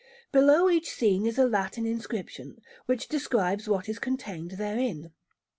Below each scene is a Latin inscription, which describes what is contained therein.